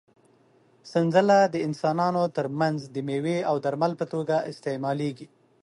سنځله د انسانانو تر منځ د مېوې او درمل په توګه استعمالېږي.